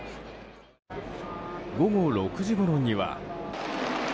午後６時ごろには。